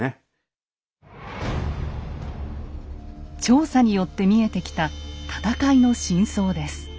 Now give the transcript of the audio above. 調査によって見えてきた戦いの真相です。